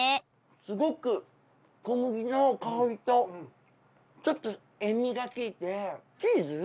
すごく小麦の香りとちょっと塩味が効いてチーズ？